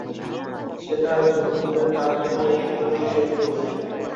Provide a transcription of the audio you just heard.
সেটা চকিতে তাহাকে একটু যেন বিচলিত করিল।